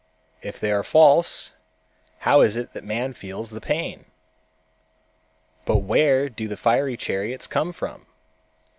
If they are false, how is it that man feels the pain? But where do the fiery chariots come from?